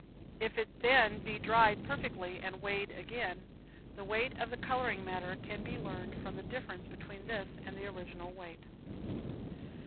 If it then be dried perfectly and weighed again, the weight of the coloring matter can be learned from the difference between this and the original weight.